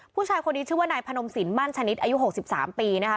ผู้ชายคนนี้ชื่อว่านายพนมสินมั่นชนิดอายุ๖๓ปีนะคะ